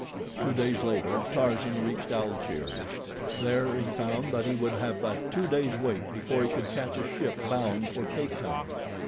Two days later Tarzan reached Algiers. There he found that he would have a two days' wait before he could catch a ship bound for Cape Town.